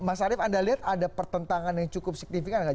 mas arief anda lihat ada pertentangan yang cukup signifikan nggak